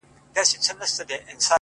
• نور کارونه هم لرم درڅخه ولاړم,